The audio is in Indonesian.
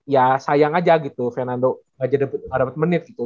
ya sayang aja gitu fernando ga dapet menit gitu